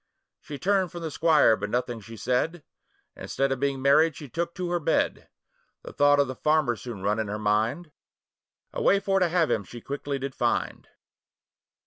She turned from the squire, but nothing she said, Instead of being married she took to her bed; The thought of the farmer soon run in her mind, A way for to have him she quickly did find.